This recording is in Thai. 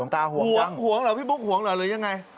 ท่านหวงอ่ะพี่ปุ๊๊กหวงอย่างไร